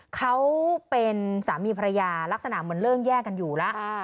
เขาเป็นสามีภรรยาลักษณะเหมือนเลิกแยกกันอยู่แล้ว